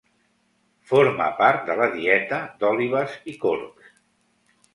Forma part de la dieta d'òlibes i corbs.